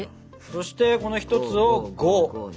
そしてこの１つを５。